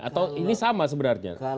atau ini sama sebenarnya